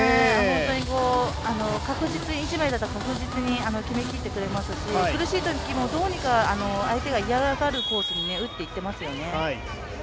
本当に一枚だと確実に決めきってくれますし苦しいときもどうにか相手が嫌がるコースに打っていっていますよね。